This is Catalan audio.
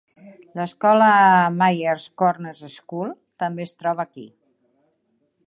L'escola Myers Corners School també es troba aquí.